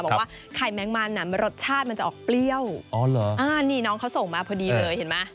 บอกว่าไข่แม้งมันรสชาติจะออกเปรี้ยวน้องเขาส่งมาพอดีเลยเห็นไหม